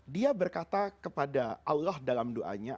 dia berkata kepada allah dalam doanya